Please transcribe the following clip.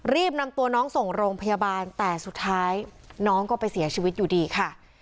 รีบนำตัวน้องส่งโรงพยาบาลแต่สุดท้ายน้องก็ไปเสียชีวิตอยู่ดีค่ะ